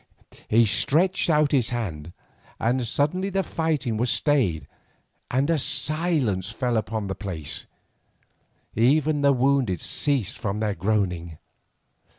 He stretched out his hand, and suddenly the fighting was stayed and a silence fell upon the place, even the wounded ceased from their groaning.